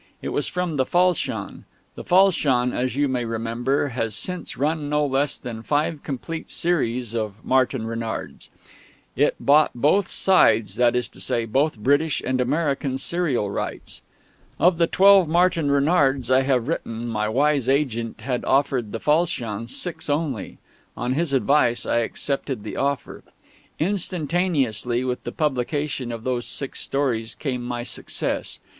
It was from the Falchion. The Falchion, as you may remember, has since run no less than five complete series of Martin Renards. It bought "both sides," that is to say, both British and American serial rights. Of the twelve Martin Renards I had written, my wise agent had offered the Falchion six only. On his advice I accepted the offer. Instantaneously with the publication of those six stories came my success.